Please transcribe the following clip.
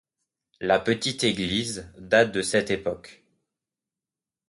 La petite église date de cette époque.